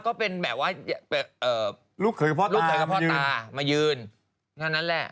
ก็เป็นแบบว่าเอ่อลูกเคยกับพ่อตามายืนนั้นแหละ